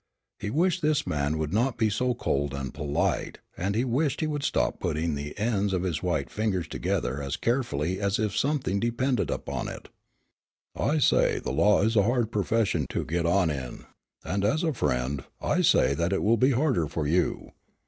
He wished this man would not be so cold and polite and he wished he would stop putting the ends of his white fingers together as carefully as if something depended upon it. "I say the law is a hard profession to get on in, and as a friend I say that it will be harder for you.